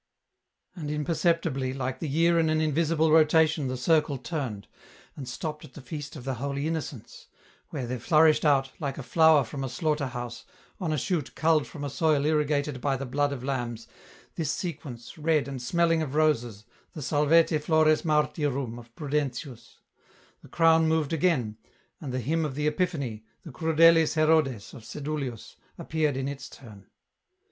And imperceptibly, like the year in an invisible rotation the circle turned, and stopped at the Feast of the Holy Innocents, where there flourished out, like a flower from a slaughter house, on a shoot culled from a soil irrigated by the blood of lambs, this sequence, red, and smelling of roses, the " Salvete Flores Martyrum " of Prudentius ; the crown moved agam, and the hymn of the Epiphany, the " Crudelis Herodes " of Sedulius, appeared in its turn.